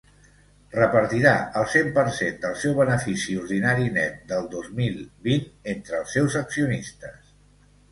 Repartirà el cent per cent del seu benefici ordinari net del dos mil vint entre els seus accionistes.